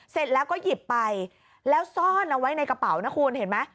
เสร็จแล้วก็หยิบไปแล้วซ่อนเอาไว้ในกระเป๋านะคุณเห็นไหม